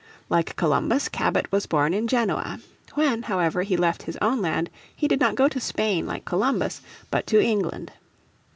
Like Columbus, Cabot was born in Genoa. When, however, he left his own land he did not go to Spain like Columbus, but to England.